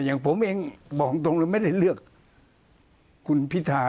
อย่างผมเองบอกตรงเลยไม่ได้เลือกคุณพิธา